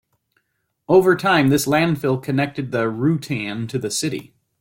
Over time, this landfill connected the "Reutan" to the city.